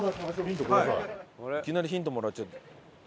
いきなりヒントもらっちゃって。